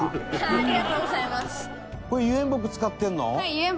ありがとうございます。